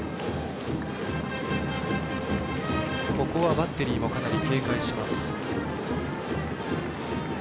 ここはバッテリーもかなり警戒します。